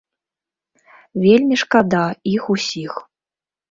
Вельмі шкада іх усіх.